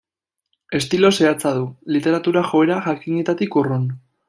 Estilo zehatza du, literatura-joera jakinetatik urrun.